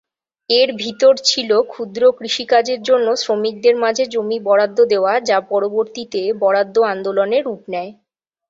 এর ভিতর ছিল "ক্ষুদ্র কৃষিকাজ"-এর জন্য শ্রমিকদের মাঝে জমি বরাদ্দ দেওয়া, যা পরবর্তীতে বরাদ্দ আন্দোলনে রূপ নেয়।